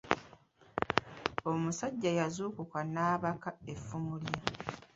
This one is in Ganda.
Omusajja yazuukuka n’abaka effumu lye.